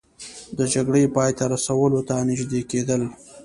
د جګړې پای ته رسولو ته نژدې کیدل